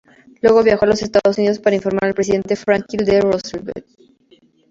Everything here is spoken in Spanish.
Luego, viajó a los Estados Unidos para informar al presidente Franklin D. Roosevelt.